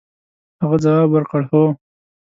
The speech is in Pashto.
هغه ځواب ورکړ هو.